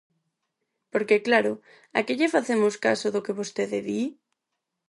Porque, claro, ¿a que lle facemos caso do que vostede di?